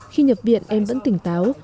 khi nhập viện em vẫn tỉnh táo